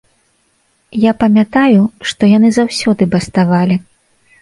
Я памятаю, што яны заўсёды баставалі.